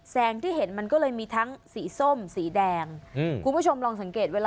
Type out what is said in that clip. ที่เห็นมันก็เลยมีทั้งสีส้มสีแดงอืมคุณผู้ชมลองสังเกตเวลา